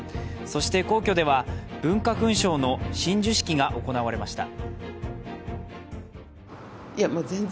そして皇居では文化勲章の親授式が行われました。